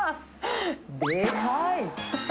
でかい！